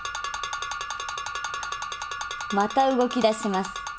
また動き出します。